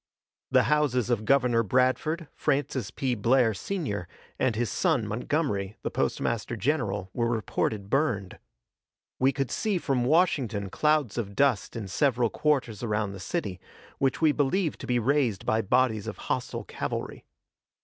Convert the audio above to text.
The houses of Governor Bradford, Francis P. Blair, senior, and his son, Montgomery, the Postmaster General, were reported burned. We could see from Washington clouds of dust in several quarters around the city, which we believed to be raised by bodies of hostile cavalry.